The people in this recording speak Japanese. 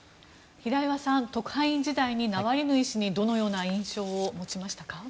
平岩さん、特派員時代にナワリヌイ氏にどのような印象を持ちましたか？